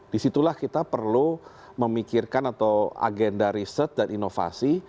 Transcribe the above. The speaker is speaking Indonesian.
disitulah kita perlu memikirkan atau agenda riset dan inovasi